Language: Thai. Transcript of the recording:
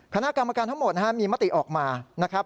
คณะกรรมการทั้งหมดมีมาติออกมา